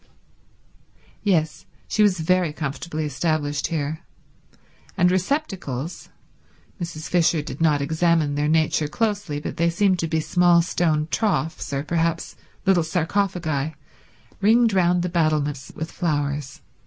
Yes, she was very comfortably established here; and receptacles—Mrs. Fisher did not examine their nature closely, but they seemed to be small stone troughs, or perhaps little sarcophagi— ringed round the battlements with flowers.